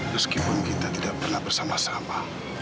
meskipun kita tidak pernah bersama sama